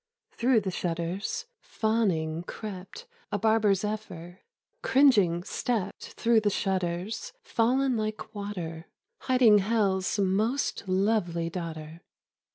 Through the shutters fawning crept _ A barber zephyr, cringing stept % Through the shutters fallen like water — Hiding Hell's most lovely daughter.